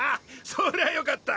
そりゃよかった！